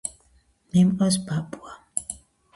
მე მყავს ბაბუა